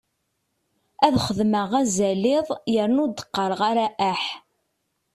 Ad xedmeɣ azal iḍ yerna ur d-qqareɣ ara aḥ.